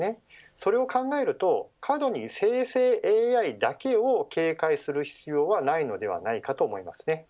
それを考えると過度に生成ＡＩだけを警戒する必要はないのではないかと思いますね。